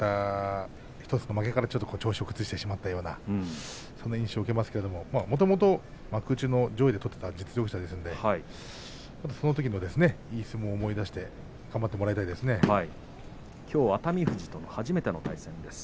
１つの負けから調子を崩してしまったようなそんな印象を受けますけれどもともとは幕内の上位で取っていた実力者ですのでそのときのいい相撲を思い出してきょう熱海富士との初めての対戦です。